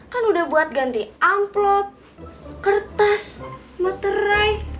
kan udah buat ganti amplop kertas materai